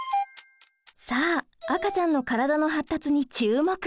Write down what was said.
さあ赤ちゃんの体の発達に注目！